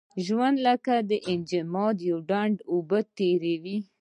ژوند لکه د یو منجمد ډنډ اوبه تېروي.